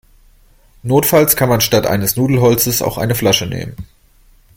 Notfalls kann man statt eines Nudelholzes auch eine Flasche nehmen.